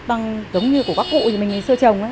bằng giống như của các cụ mình xưa trồng ấy